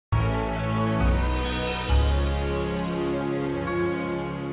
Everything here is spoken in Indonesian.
gue harus berani ngalahin rasa takut gue